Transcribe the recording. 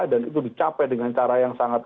dan itu dicapai dengan cara yang sangat